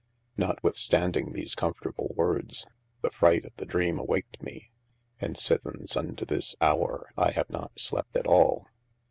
Notwithstanding these comfortable words, the fright of the dreame awaked me, and sithens unto this hower I have not slept at al.